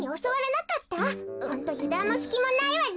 ホントゆだんもすきもないわね。